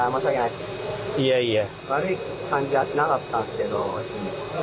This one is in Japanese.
いやいや。